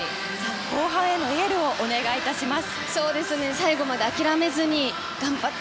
後半へのエールをお願いします。